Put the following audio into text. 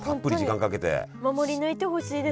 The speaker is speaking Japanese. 守り抜いてほしい。